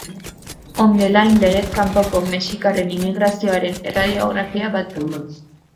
On the line legez kanpoko mexikarren immigrazioaren erradiografia bat da.